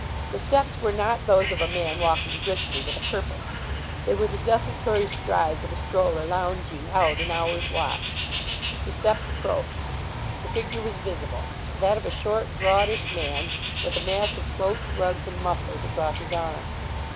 The steps were not those of a man walking briskly with a purpose: they were the desultory strides of a stroller lounging out an hour's watch. The steps approached. The figure was visible that of a short broadish man, with a mass of cloaks, rugs, and mufflers across his arm.